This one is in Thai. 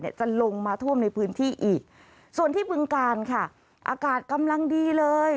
จะลงมาท่วมในพื้นที่อีกส่วนที่บึงการค่ะอากาศกำลังดีเลย